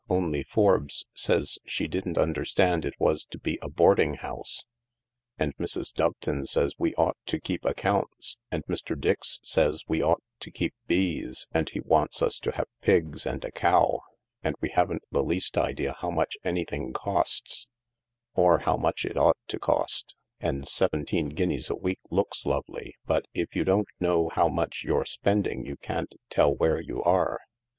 " Only Forbes says she didn't understand it was to be a board ing house, and Mrs. Doveton says we ought to keep accounts, THE LARK 221 and Mr. Dix says we ought to kfeep bees, and he wants us to have pigs and a cow ; and we haven't the least idea how much anything costs, or how much it ought to cost — and seventeen guineas a week looks lovely, but if you don't know how much you're spending you can't tell where you are.